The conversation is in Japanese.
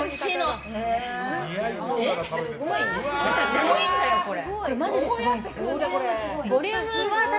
すごいんだよ、これ。